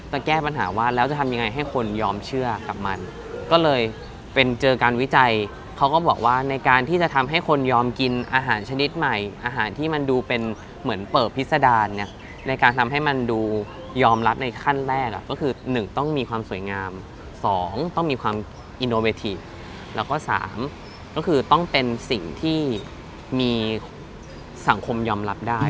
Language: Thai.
แก้ปัญหาว่าแล้วจะทำยังไงให้คนยอมเชื่อกับมันก็เลยเป็นเจอการวิจัยเขาก็บอกว่าในการที่จะทำให้คนยอมกินอาหารชนิดใหม่อาหารที่มันดูเป็นเหมือนเปิบพิษดารเนี่ยในการทำให้มันดูยอมรับในขั้นแรกก็คือ๑ต้องมีความสวยงามสองต้องมีความอินโอเวทีแล้วก็สามก็คือต้องเป็นสิ่งที่มีสังคมยอมรับได้